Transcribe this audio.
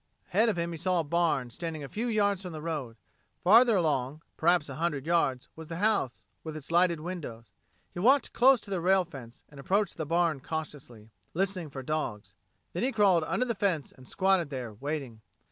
Ahead of him he saw a barn, standing a few yards from the road. Farther along, perhaps a hundred yards, was the house with its lighted windows. He walked close to the rail fence and approached the barn cautiously, listening for dogs; then he crawled under the fence and squatted there, waiting.